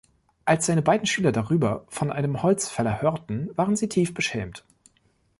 Als seine beiden Schüler darüber von einem Holzfäller hörten, waren sie tief beschämt.